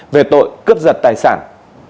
về tội cướp đồng